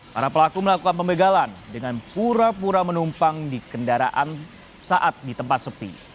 para pelaku melakukan pembegalan dengan pura pura menumpang di kendaraan saat di tempat sepi